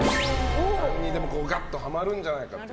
何にでもガッとハマるんじゃないかと。